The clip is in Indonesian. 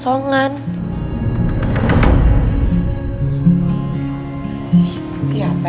siapa yang ditanggil cewek asongan